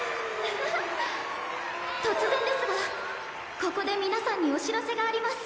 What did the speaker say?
突然ですがここで皆さんにお知らせがあります。